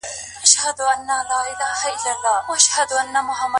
د لاس لیکنه د دې سمبالښت یوه مهمه برخه ده.